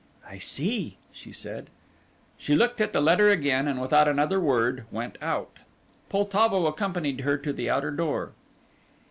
"I see," she said. She looked at the letter again and without another word went out. Poltavo accompanied her to the outer door.